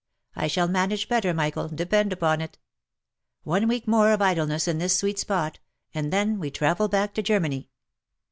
I shall manage better, Michael, depend upon it. One week more of idleness in this sweet spot — and then we travel back to Germany.